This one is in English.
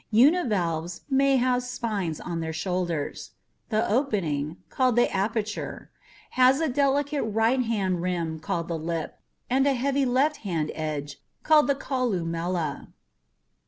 Univalves may have spines on their shoulders. The opening, called the aperture, has a delicate right hand rim called the lip and a heavy, left hand edge called the columella.